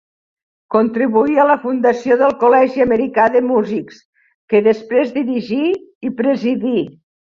Contribuí a la fundació del Col·legi Americà de Músics, que després dirigí i presidí.